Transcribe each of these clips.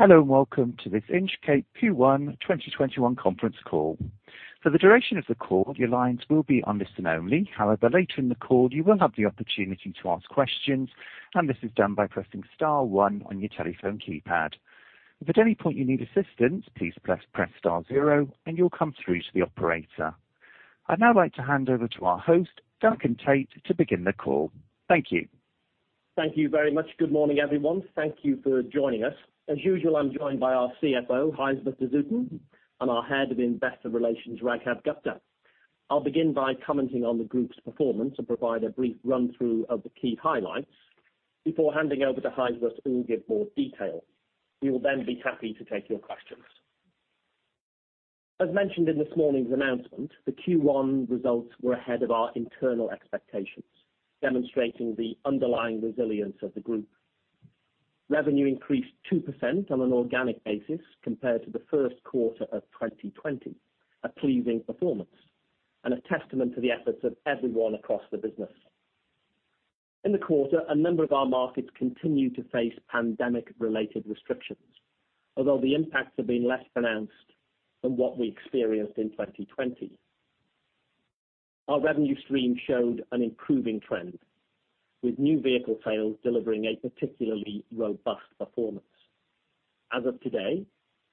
Hello, welcome to this Inchcape Q1 2021 conference call. For the duration of the call, your lines will be on listen only. Later in the call, you will have the opportunity to ask questions, this is done by pressing star one on your telephone keypad. If at any point you need assistance, please press star zero you'll come through to the operator. I'd now like to hand over to our host, Duncan Tait, to begin the call. Thank you. Thank you very much. Good morning, everyone. Thank you for joining us. As usual, I'm joined by our CFO, Gijsbert de Zoeten, and our head of investor relations, Raghav Gupta. I'll begin by commenting on the group's performance and provide a brief run through of the key highlights before handing over to Gijsbert who will give more detail. We will be happy to take your questions. As mentioned in this morning's announcement, the Q1 results were ahead of our internal expectations, demonstrating the underlying resilience of the group. Revenue increased 2% on an organic basis compared to the first quarter of 2020, a pleasing performance and a testament to the efforts of everyone across the business. In the quarter, a number of our markets continued to face pandemic related restrictions, although the impacts have been less pronounced than what we experienced in 2020. Our revenue stream showed an improving trend, with new vehicle sales delivering a particularly robust performance. As of today,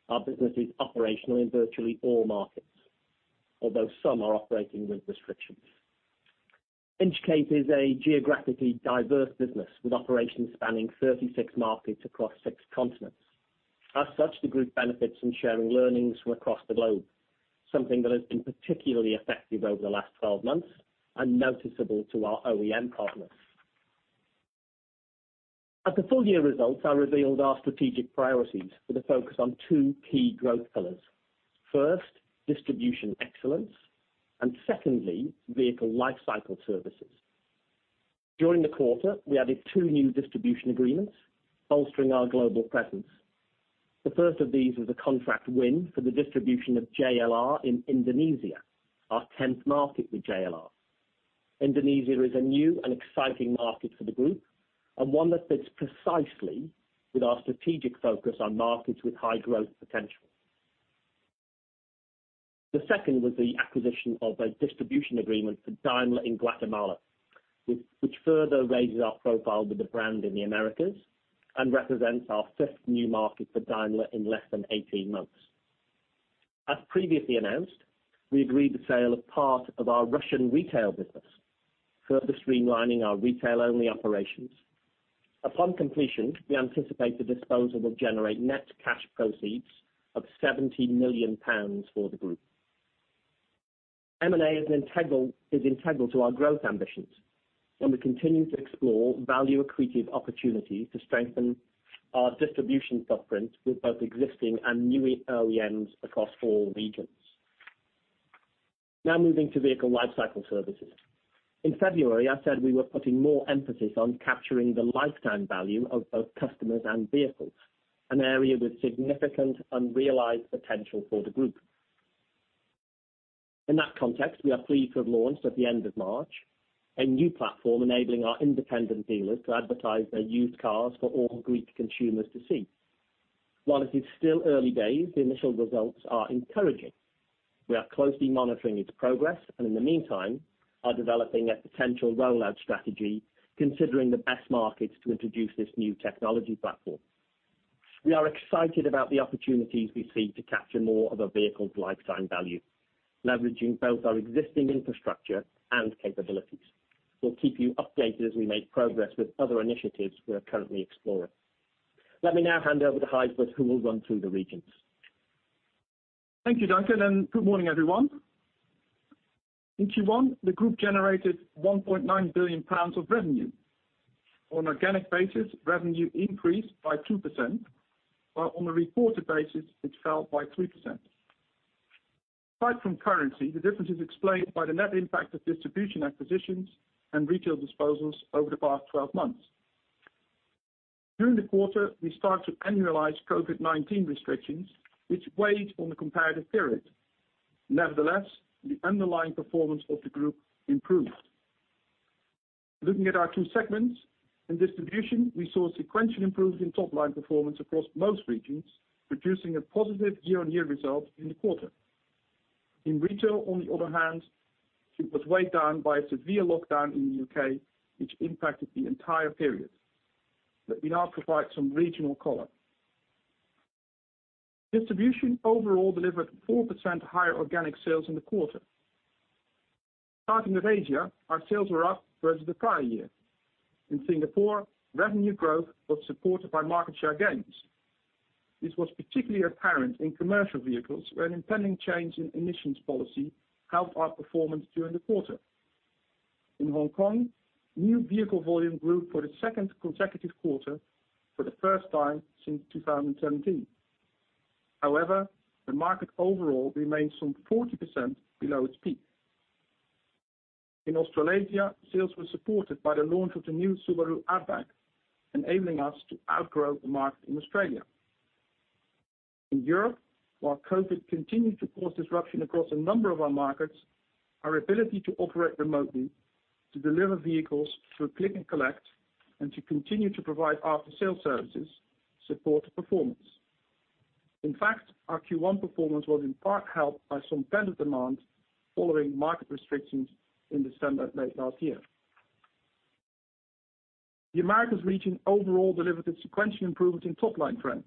our business is operational in virtually all markets, although some are operating with restrictions. Inchcape is a geographically diverse business with operations spanning 36 markets across six continents. The group benefits from sharing learnings from across the globe, something that has been particularly effective over the last 12 months and noticeable to our OEM partners. At the full year results, I revealed our strategic priorities with a focus on two key growth pillars. First, distribution excellence, and secondly, vehicle lifecycle services. During the quarter, we added two new distribution agreements, bolstering our global presence. The first of these was a contract win for the distribution of JLR in Indonesia, our 10th market with JLR. Indonesia is a new and exciting market for the group, one that fits precisely with our strategic focus on markets with high growth potential. The second was the acquisition of a distribution agreement for Daimler in Guatemala, which further raises our profile with the brand in the Americas and represents our fifth new market for Daimler in less than 18 months. As previously announced, we agreed the sale of part of our Russian retail business, further streamlining our retail-only operations. Upon completion, we anticipate the disposal will generate net cash proceeds of 70 million pounds for the group. M&A is integral to our growth ambitions, we continue to explore value accretive opportunities to strengthen our distribution footprint with both existing and new OEMs across all regions. Moving to vehicle lifecycle services. In February, I said we were putting more emphasis on capturing the lifetime value of both customers and vehicles, an area with significant unrealized potential for the group. In that context, we are pleased to have launched at the end of March, a new platform enabling our independent dealers to advertise their used cars for all Greek consumers to see. While it is still early days, the initial results are encouraging. We are closely monitoring its progress, and in the meantime, are developing a potential rollout strategy, considering the best markets to introduce this new technology platform. We'll keep you updated as we make progress with other initiatives we are currently exploring. Let me now hand over to Gijsbert, who will run through the regions. Thank you, Duncan, and good morning, everyone. In Q1, the group generated 1.9 billion pounds of revenue. On an organic basis, revenue increased by 2%, while on a reported basis, it fell by 3%. Aside from currency, the difference is explained by the net impact of distribution acquisitions and retail disposals over the past 12 months. During the quarter, we start to annualize COVID-19 restrictions, which weighed on the comparative period. The underlying performance of the group improved. Looking at our two segments. In distribution, we saw sequential improvement in top line performance across most regions, producing a positive year-on-year result in the quarter. In retail, on the other hand, it was weighed down by a severe lockdown in the U.K., which impacted the entire period. Let me now provide some regional color. Distribution overall delivered 4% higher organic sales in the quarter. Starting with Asia, our sales were up versus the prior year. In Singapore, revenue growth was supported by market share gains. This was particularly apparent in commercial vehicles, where an impending change in emissions policy helped our performance during the quarter. In Hong Kong, new vehicle volume grew for the second consecutive quarter for the first time since 2017. The market overall remains some 40% below its peak. In Australasia, sales were supported by the launch of the new Subaru Outback, enabling us to outgrow the market in Australia. In Europe, while COVID continues to cause disruption across a number of our markets, our ability to operate remotely, to deliver vehicles through click and collect, and to continue to provide after-sales services, support performance. Our Q1 performance was in part helped by some pent-up demand following market restrictions in December of late last year. The Americas region overall delivered a sequential improvement in top-line trend.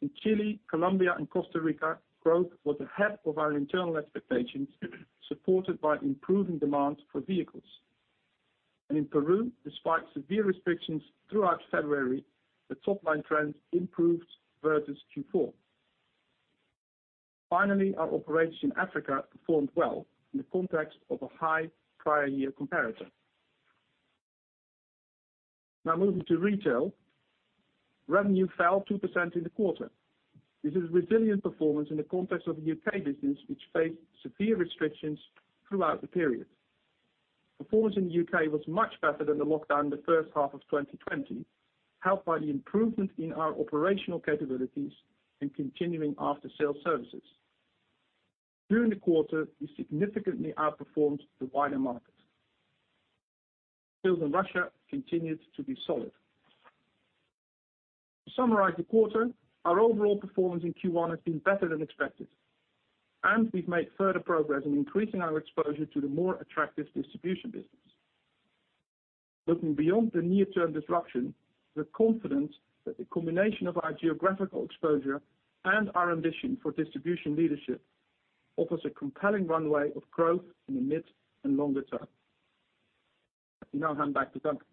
In Chile, Colombia, and Costa Rica, growth was ahead of our internal expectations, supported by improving demand for vehicles. In Peru, despite severe restrictions throughout February, the top-line trends improved versus Q4. Our operations in Africa performed well in the context of a high prior year comparator. Now moving to retail, revenue fell 2% in the quarter. This is a resilient performance in the context of the U.K. business, which faced severe restrictions throughout the period. Performance in the U.K. was much better than the lockdown in the first half of 2020, helped by the improvement in our operational capabilities and continuing after-sale services. During the quarter, we significantly outperformed the wider market. Sales in Russia continued to be solid. To summarize the quarter, our overall performance in Q1 has been better than expected, and we've made further progress in increasing our exposure to the more attractive distribution business. Looking beyond the near-term disruption, we're confident that the combination of our geographical exposure and our ambition for distribution leadership offers a compelling runway of growth in the mid and longer term. I now hand back to Duncan.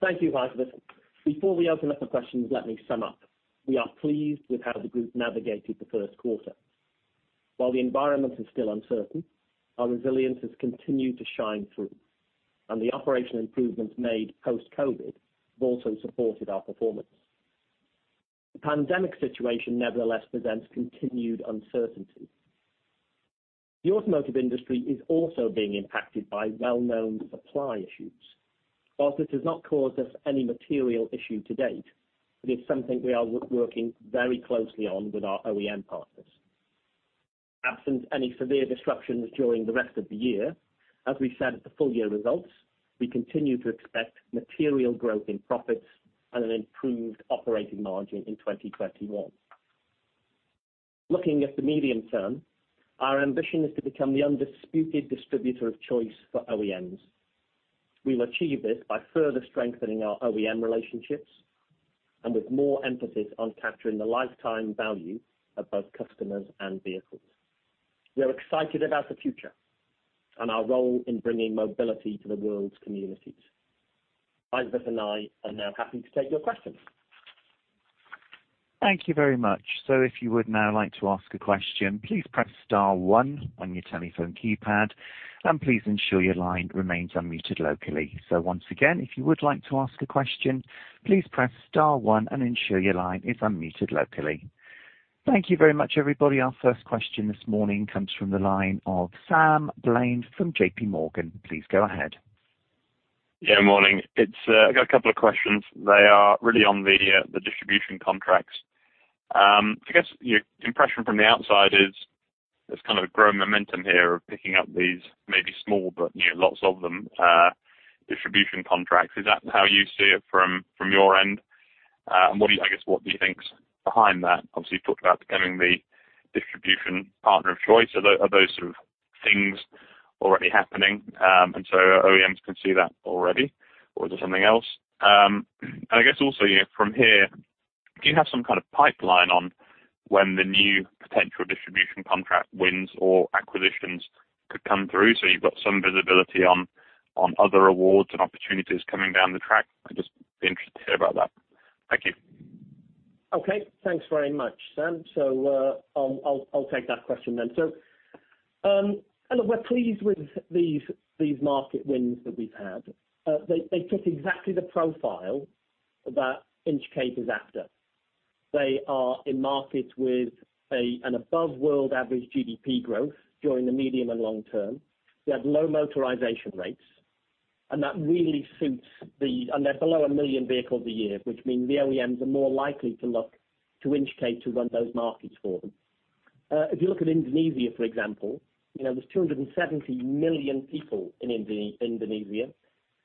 Thank you, Gijsbert. Before we open up for questions, let me sum up. We are pleased with how the group navigated the first quarter. While the environment is still uncertain, our resilience has continued to shine through. The operational improvements made post-COVID have also supported our performance. The pandemic situation, nevertheless, presents continued uncertainty. The automotive industry is also being impacted by well-known supply issues. Whilst this has not caused us any material issue to date, it is something we are working very closely on with our OEM partners. Absent any severe disruptions during the rest of the year, as we said at the full year results, we continue to expect material growth in profits and an improved operating margin in 2021. Looking at the medium term, our ambition is to become the undisputed distributor of choice for OEMs. We will achieve this by further strengthening our OEM relationships and with more emphasis on capturing the lifetime value of both customers and vehicles. We are excited about the future and our role in bringing mobility to the world's communities. Gijsbert and I are now happy to take your questions. Thank you very much. If you would now like to ask a question, please press star one on your telephone keypad and please ensure your line remains unmuted locally. Once again, if you would like to ask a question, please press star one and ensure your line is unmuted locally. Thank you very much, everybody. Our first question this morning comes from the line of Sam Bland from JP Morgan. Please go ahead. Yeah, morning. I got a couple of questions. They are really on the distribution contracts. I guess your impression from the outside is there's kind of a growing momentum here of picking up these maybe small, but lots of them distribution contracts. Is that how you see it from your end? I guess what do you think is behind that? Obviously, you talked about becoming the distribution partner of choice. Are those sort of things already happening, so OEMs can see that already, or is it something else? I guess also from here, do you have some kind of pipeline on when the new potential distribution contract wins or acquisitions could come through so you've got some visibility on other awards and opportunities coming down the track? I'd just be interested to hear about that. Thank you. Okay. Thanks very much, Sam. I'll take that question then. We're pleased with these market wins that we've had. They fit exactly the profile that Inchcape is after. They are in markets with an above world average GDP growth during the medium and long term. They have low motorization rates, and that really suits the, and they're below 1 million vehicles a year, which means the OEMs are more likely to look to Inchcape to run those markets for them. If you look at Indonesia, for example, there's 270 million people in Indonesia,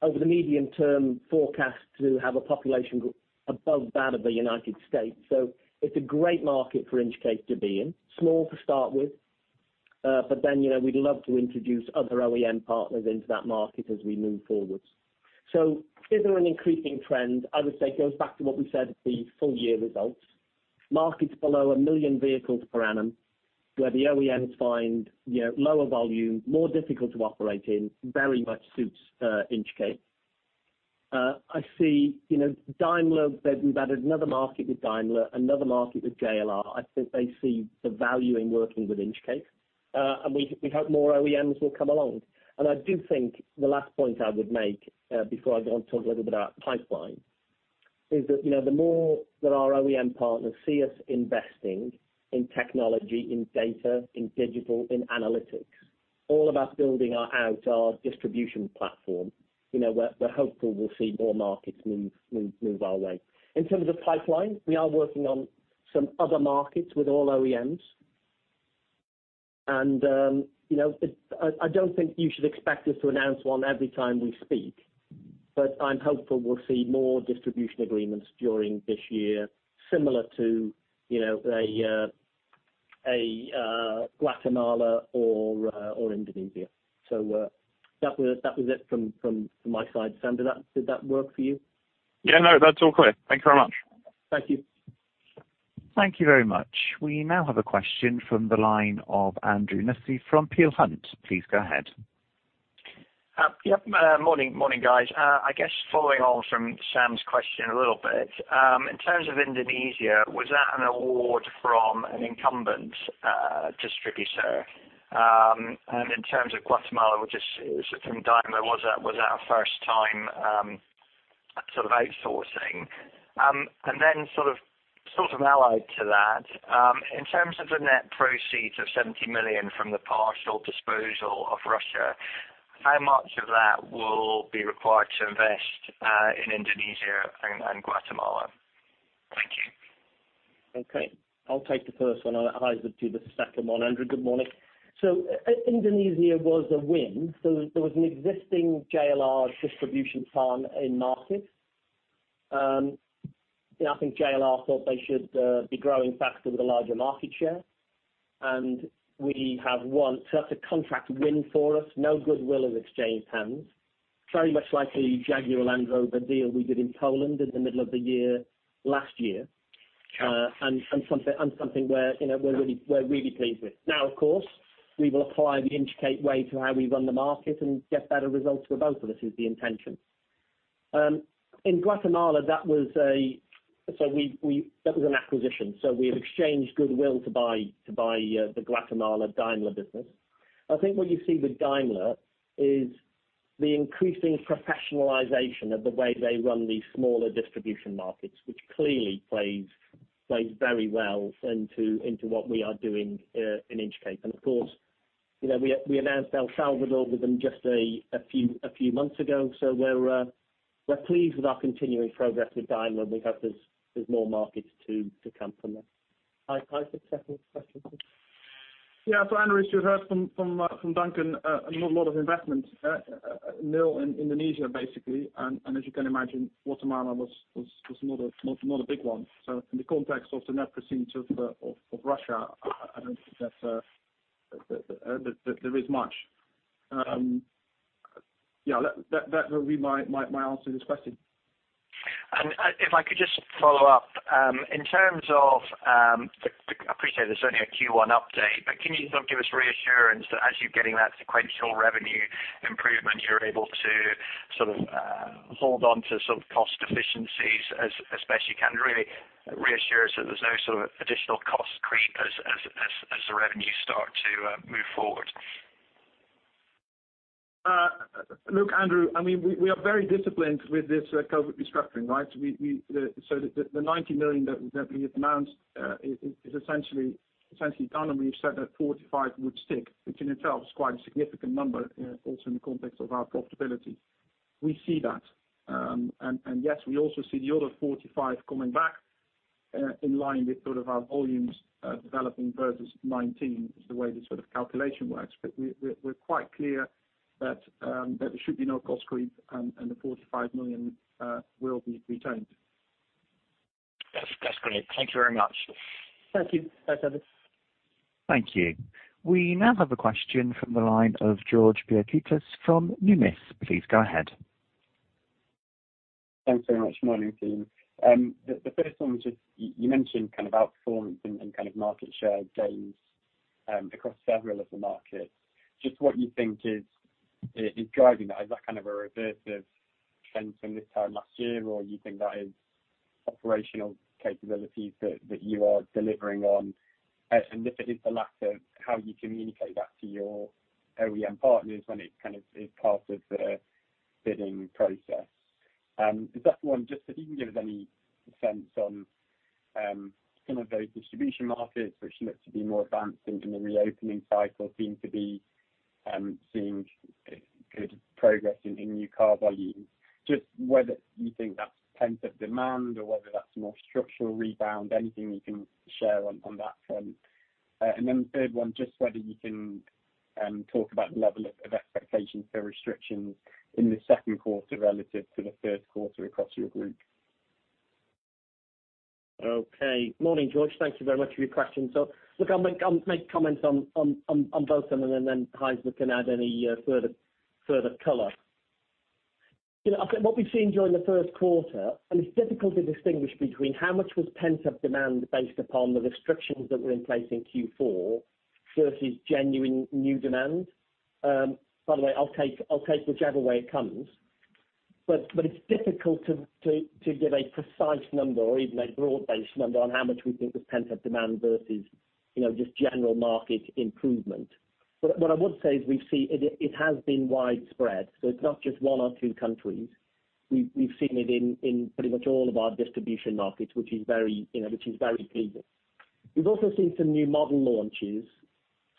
over the medium term forecast to have a population above that of the U.S. It's a great market for Inchcape to be in. Small to start with, we'd love to introduce other OEM partners into that market as we move forwards. Is there an increasing trend? I would say it goes back to what we said at the full-year results. Markets below 1 million vehicles per annum, where the OEMs find lower volume, more difficult to operate in, very much suits Inchcape. We've added another market with Daimler, another market with JLR. I think they see the value in working with Inchcape, we hope more OEMs will come along. I do think the last point I would make before I go on to talk a little bit about pipeline is that the more that our OEM partners see us investing in technology, in data, in digital, in analytics, all about building out our distribution platform. We're hopeful we'll see more markets move our way. In terms of pipeline, we are working on some other markets with all OEMs. I don't think you should expect us to announce one every time we speak, but I'm hopeful we'll see more distribution agreements during this year, similar to Guatemala or Indonesia. That was it from my side, Sam. Did that work for you? Yeah, no, that's all clear. Thank you very much. Thank you. Thank you very much. We now have a question from the line of Andrew Nesi from Peel Hunt. Please go ahead. Yep. Morning, guys. I guess following on from Sam's question a little bit. In terms of Indonesia, was that an award from an incumbent distributor? In terms of Guatemala, which is from Daimler, was that a first-time outsourcing? Sort of allied to that, in terms of the net proceeds of 70 million from the partial disposal of Russia, how much of that will be required to invest in Indonesia and Guatemala? Thank you. Okay. I'll take the first one. Gijs will do the second one, Andrew, good morning. Indonesia was a win. There was an existing JLR distribution arm in market. I think JLR thought they should be growing faster with a larger market share. We have won. That's a contract win for us, no goodwill has exchanged hands, very much like the Jaguar Land Rover deal we did in Poland in the middle of the year last year. Okay. Something we're really pleased with. Now, of course, we will apply the Inchcape way to how we run the market and get better results for both of us, is the intention. In Guatemala that was an acquisition, we exchanged goodwill to buy the Guatemala Daimler business. I think what you see with Daimler is the increasing professionalization of the way they run these smaller distribution markets, which clearly plays very well into what we are doing in Inchcape. Of course, we announced El Salvador with them just a few months ago. We're pleased with our continuing progress with Daimler, and we hope there's more markets to come from them. Gijs, the second question please. Andrew, as you heard from Duncan, not a lot of investment. Nil in Indonesia, basically. As you can imagine, Guatemala was not a big one. From the context of the net proceeds of Russia, I don't think that there is much. That will be my answer to this question. If I could just follow up. I appreciate there's only a Q1 update, but can you give us reassurance that as you're getting that sequential revenue improvement, you're able to hold onto some cost efficiencies as best you can? Really reassure us that there's no additional cost creep as the revenues start to move forward. We are very disciplined with this COVID restructuring, right? The 90 million that we have announced is essentially done, and we've said that 45 million would stick, which in itself is quite a significant number also in the context of our profitability. We see that. Yes, we also see the other 45 million coming back in line with our volumes developing versus 2019 is the way the calculation works. We're quite clear that there should be no cost creep and the 45 million will be retained. That's great. Thank you very much. Thank you. Bye, Sam. Thank you. We now have a question from the line of George Pietris from Numis. Please go ahead. Thanks very much. Morning, team. The first one was just, you mentioned outperformance and market share gains across several of the markets. What you think is driving that? Is that kind of a reverse of trends from this time last year, or you think that is operational capabilities that you are delivering on? If it is the latter, how you communicate that to your OEM partners when it is part of the bidding process. The second one, just if you can give us any sense on those distribution markets which look to be more advanced in the reopening cycle, seem to be seeing good progress in new car volumes. Whether you think that's pent-up demand or whether that's more structural rebound, anything you can share on that front. The third one, just whether you can talk about the level of expectation for restrictions in the second quarter relative to the third quarter across your group. Okay. Morning, George. Thank you very much for your questions. Look, I'll make comments on both of them, Gijs can add any further color. What we've seen during the first quarter, it's difficult to distinguish between how much was pent-up demand based upon the restrictions that were in place in Q4 versus genuine new demand. By the way, I'll take whichever way it comes. It's difficult to give a precise number or even a broad-based number on how much we think was pent-up demand versus just general market improvement. What I would say is we see it has been widespread, so it's not just one or two countries. We've seen it in pretty much all of our distribution markets, which is very pleasing. We've also seen some new model launches.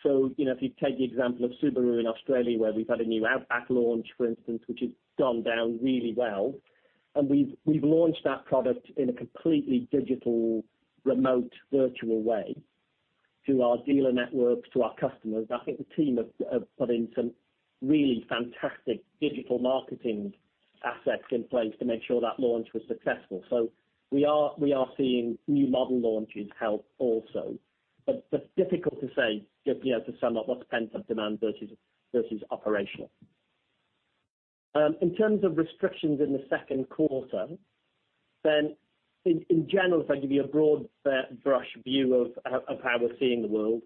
If you take the example of Subaru in Australia, where we've had a new Outback launch, for instance, which has gone down really well, and we've launched that product in a completely digital, remote, virtual way to our dealer networks, to our customers. I think the team have put in some really fantastic digital marketing assets in place to make sure that launch was successful. We are seeing new model launches help also, difficult to say, just to sum up what's pent-up demand versus operational. In terms of restrictions in the second quarter, in general, if I give you a broad brush view of how we're seeing the world,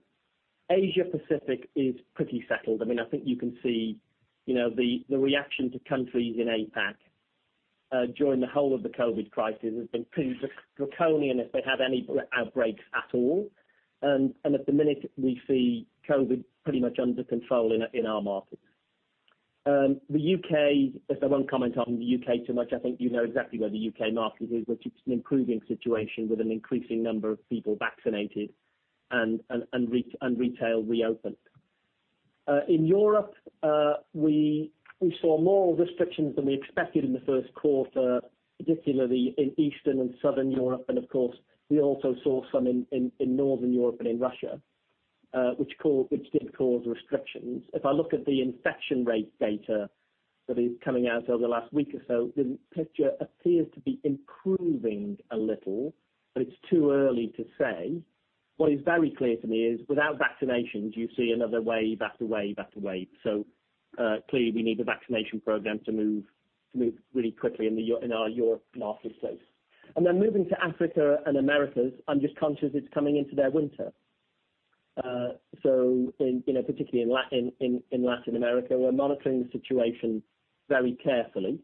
Asia Pacific is pretty settled. I think you can see the reaction to countries in APAC, during the whole of the COVID crisis has been pretty draconian if they have any outbreaks at all. At the minute, we see COVID pretty much under control in our markets. The U.K., I won't comment on the U.K. too much. I think you know exactly where the U.K. market is, which it's an improving situation with an increasing number of people vaccinated and retail reopened. In Europe, we saw more restrictions than we expected in the first quarter, particularly in Eastern and Southern Europe, and of course, we also saw some in Northern Europe and in Russia, which did cause restrictions. If I look at the infection rate data that is coming out over the last week or so, the picture appears to be improving a little, but it's too early to say. What is very clear to me is, without vaccinations, you see another wave after wave after wave. Clearly we need the vaccination program to move really quickly in our Europe market space. Moving to Africa and Americas, I'm just conscious it's coming into their winter. Particularly in Latin America, we're monitoring the situation very carefully,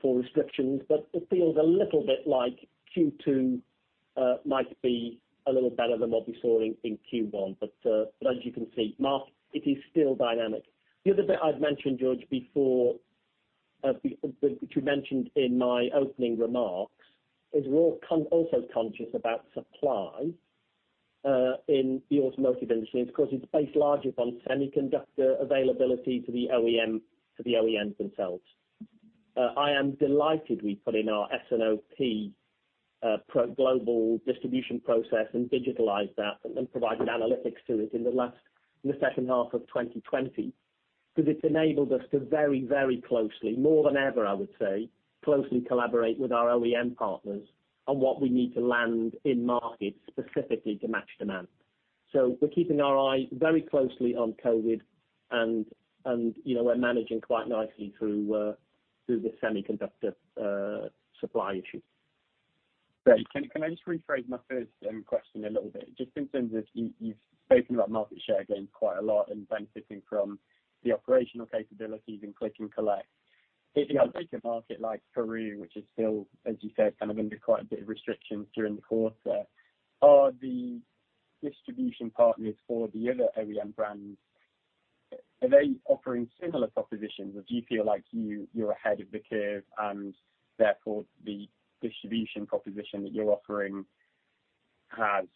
for restrictions, but it feels a little bit like Q2 might be a little better than what we saw in Q1. As you can see, it is still dynamic. The other bit I'd mentioned, George, before, which we mentioned in my opening remarks, is we're also conscious about supply, in the automotive industry. Of course, it's based largely on semiconductor availability for the OEMs themselves. I am delighted we put in our S&OP global distribution process and digitalized that and provided analytics to it in the second half of 2020, because it's enabled us to very closely, more than ever, I would say, closely collaborate with our OEM partners on what we need to land in markets specifically to match demand. We're keeping our eyes very closely on COVID and we're managing quite nicely through the semiconductor supply issue. Great. Can I just rephrase my first question a little bit, just in terms of you've spoken about market share gains quite a lot and benefiting from the operational capabilities in click and collect. Yeah. If you take a market like Peru, which is still, as you said, kind of under quite a bit of restrictions during the quarter, are the distribution partners for the other OEM brands, are they offering similar propositions or do you feel like you're ahead of the curve, and therefore the distribution proposition that you're offering has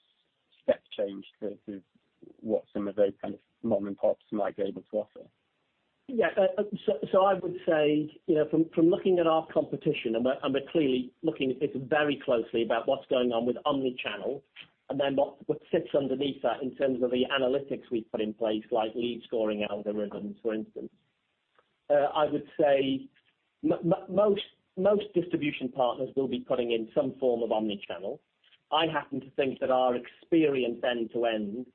step changed to what some of those mom and pops might be able to offer? Yeah. I would say, from looking at our competition and we're clearly looking at this very closely about what's going on with omni-channel and then what sits underneath that in terms of the analytics we've put in place, like lead scoring algorithms, for instance. I would say most distribution partners will be putting in some form of omni-channel. I happen to think that our experience end-to-end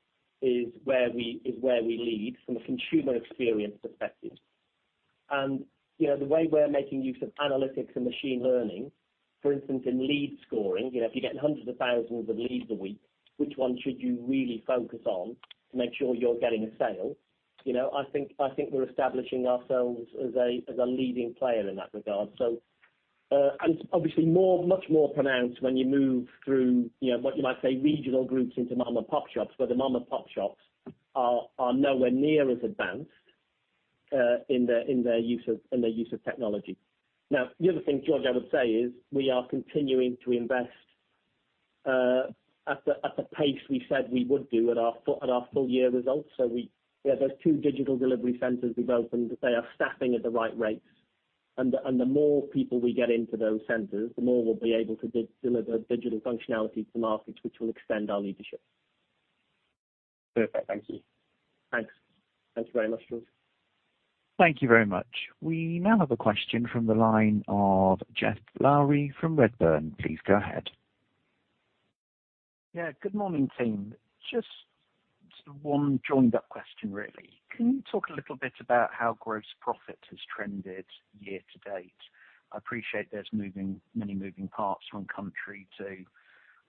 is where we lead from a consumer experience perspective. The way we're making use of analytics and machine learning, for instance, in lead scoring, if you're getting hundreds of thousands of leads a week, which one should you really focus on to make sure you're getting a sale? I think we're establishing ourselves as a leading player in that regard. Obviously much more pronounced when you move through what you might say, regional groups into mom and pop shops, where the mom and pop shops are nowhere near as advanced, in their use of technology. The other thing, George, I would say is we are continuing to invest at the pace we said we would do at our full year results. There's two digital delivery centers we've opened. They are staffing at the right rates, and the more people we get into those centers, the more we'll be able to deliver digital functionality to markets which will extend our leadership. Perfect. Thank you. Thanks. Thanks very much, George. Thank you very much. We now have a question from the line of Geoff Lowery from Redburn. Please go ahead. Good morning, team. Just one joined up question, really. Can you talk a little bit about how gross profit has trended year to date? I appreciate there's many moving parts from country to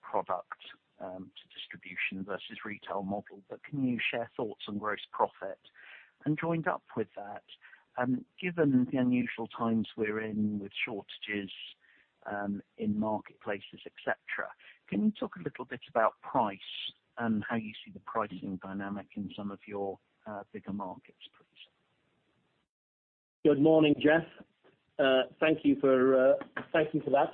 product, to distribution versus retail model, but can you share thoughts on gross profit? Joined up with that, given the unusual times we're in with shortages in marketplaces, et cetera. Can you talk a little bit about price and how you see the pricing dynamic in some of your bigger markets, please? Good morning, Geoff. Thank you for that.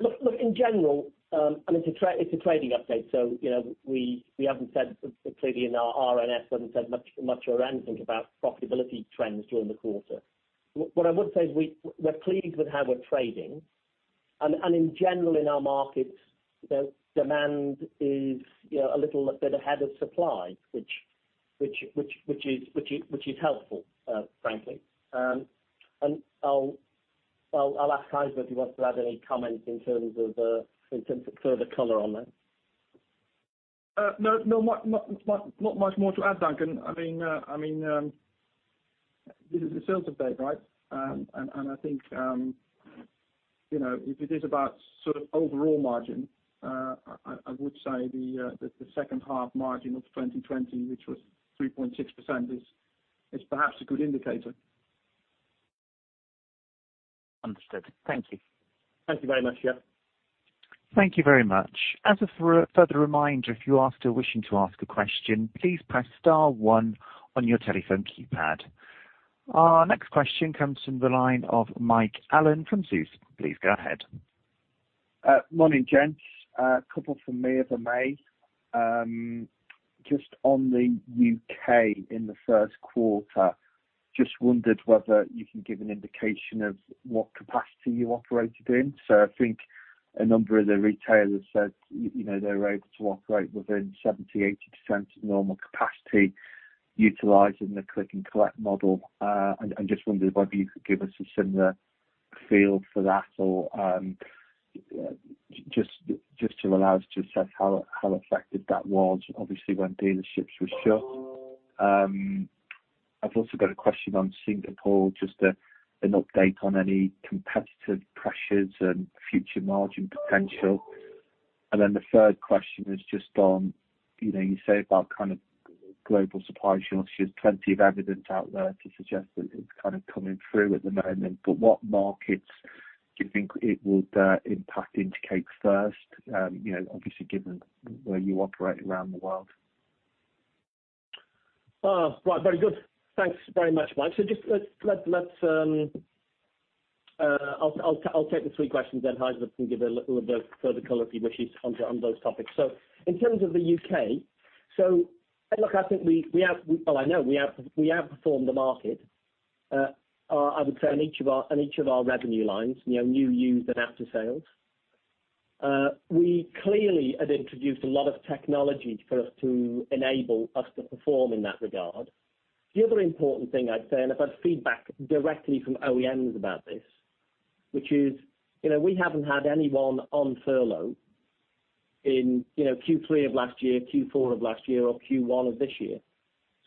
Look, in general, it's a trading update, we haven't said clearly and our RNS hasn't said much or anything about profitability trends during the quarter. What I would say is we're pleased with how we're trading and in general in our markets, demand is a little bit ahead of supply which is helpful, frankly. I'll ask Gijs if he wants to add any comments in terms of further color on that. No, not much more to add, Duncan. This is a sales update, right? I think if it is about sort of overall margin, I would say the second half margin of 2020, which was 3.6% is perhaps a good indicator. Understood. Thank you. Thank you very much, Geoff. Thank you very much. As a further reminder, if you are still wishing to ask a question, please press star one on your telephone keypad. Our next question comes from the line of Mike Allen from Zeus. Please go ahead. Morning, gents. A couple from me if I may. Just on the U.K. in the first quarter, just wondered whether you can give an indication of what capacity you operated in. I think a number of the retailers said they were able to operate within 70%-80% normal capacity utilizing the click and collect model, and I just wondered whether you could give us a similar feel for that or just to allow us to assess how effective that was obviously when dealerships were shut. I've also got a question on Singapore, just an update on any competitive pressures and future margin potential. The third question is just on, you say about kind of global supply shortages, plenty of evidence out there to suggest that it's kind of coming through at the moment, but what markets do you think it would impact Inchcape first? Obviously given where you operate around the world. Right. Very good. Thanks very much, Mike. I'll take the three questions Gijs can give a little bit further color if he wishes on those topics. In terms of the U.K., look, I know we outperformed the market, I would say on each of our revenue lines, new, used, and after sales. We clearly had introduced a lot of technology for us to enable us to perform in that regard. The other important thing I'd say, I've had feedback directly from OEMs about this, which is we haven't had anyone on furlough in Q3 of last year, Q4 of last year, or Q1 of this year.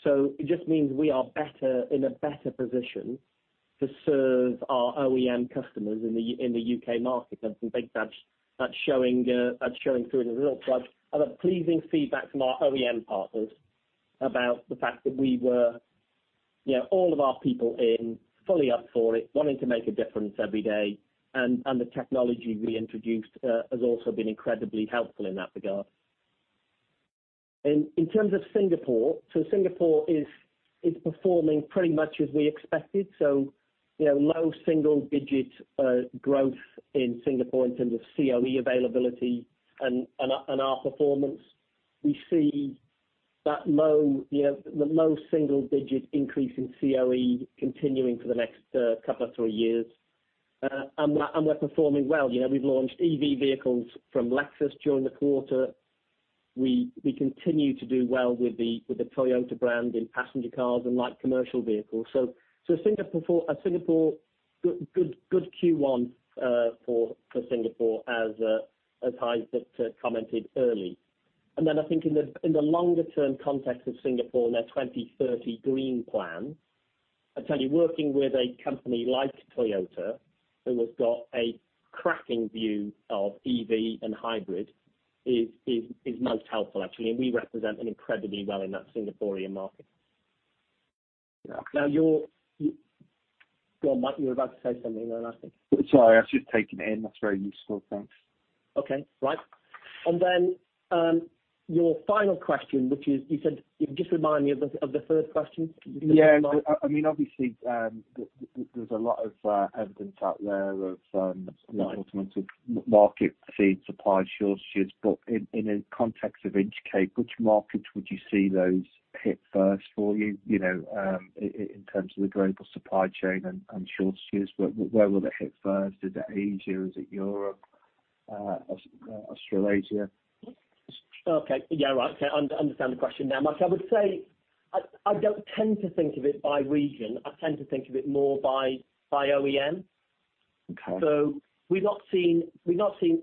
It just means we are in a better position to serve our OEM customers in the U.K. market and I think that's showing through in the results. I've had pleasing feedback from our OEM partners about the fact that we were all of our people in, fully up for it, wanting to make a difference every day, and the technology we introduced has also been incredibly helpful in that regard. In terms of Singapore is performing pretty much as we expected. Low single digit growth in Singapore in terms of COE availability and our performance. We see the low single digit increase in COE continuing for the next couple or three years. We're performing well. We've launched EV vehicles from Lexus during the quarter. We continue to do well with the Toyota brand in passenger cars and light commercial vehicles. A good Q1 for Singapore as Gijs commented early. I think in the longer term context of Singapore and their 2030 green plan, I tell you, working with a company like Toyota who has got a cracking view of EV and hybrid is most helpful actually, and we represent them incredibly well in that Singaporean market. Go on, Mike, you were about to say something then I think. Sorry, I was just taking it in. That's very useful, thanks. Okay, right. Your final question, which is, you said, just remind me of the first question. Yeah. Obviously, there's a lot of evidence out there. Right automotive market feed supply shortages. In a context of Inchcape, which markets would you see those hit first for you in terms of the global supply chain and shortages, where will it hit first? Is it Asia? Is it Europe? Australasia? Okay. Yeah. Right. I understand the question now, Mike. I would say I don't tend to think of it by region, I tend to think of it more by OEM. Okay. We've not seen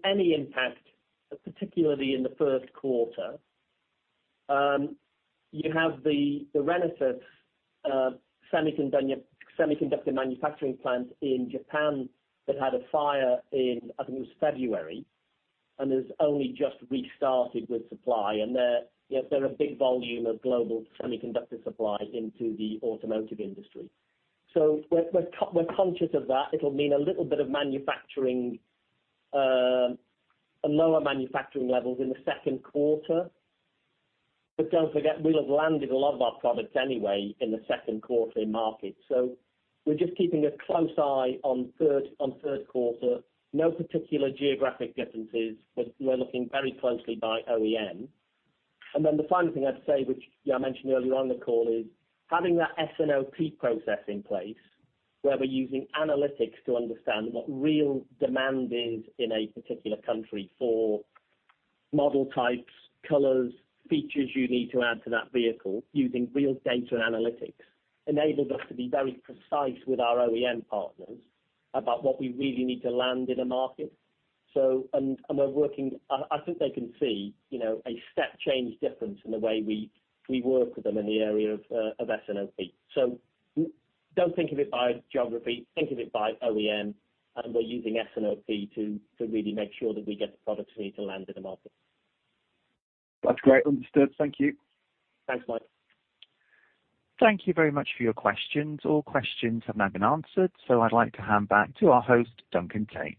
any impact, particularly in the first quarter. You have the Renesas semiconductor manufacturing plant in Japan that had a fire in, I think it was February and has only just restarted with supply and they're a big volume of global semiconductor supply into the automotive industry. We're conscious of that. It'll mean a little bit of lower manufacturing levels in the second quarter. Don't forget, we'll have landed a lot of our products anyway in the second quarter in markets. We're just keeping a close eye on third quarter. No particular geographic differences, but we're looking very closely by OEM. The final thing I'd say, which I mentioned earlier on in the call is having that S&OP process in place where we're using analytics to understand what real demand is in a particular country for model types, colors, features you need to add to that vehicle using real data and analytics enables us to be very precise with our OEM partners about what we really need to land in a market. I think they can see a step change difference in the way we work with them in the area of S&OP. Don't think of it by geography, think of it by OEM, and we're using S&OP to really make sure that we get the products we need to land in the market. That's great. Understood. Thank you. Thanks, Mike. Thank you very much for your questions. All questions have now been answered, so I'd like to hand back to our host, Duncan Tait.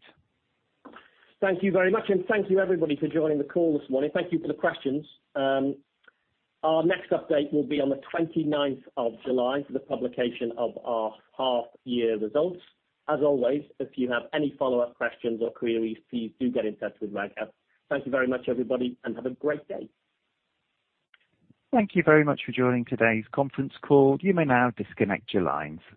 Thank you very much and thank you everybody for joining the call this morning. Thank you for the questions. Our next update will be on the 29th of July for the publication of our half year results. As always, if you have any follow-up questions or queries, please do get in touch with RAGS. Thank you very much everybody and have a great day. Thank you very much for joining today's conference call. You may now disconnect your lines.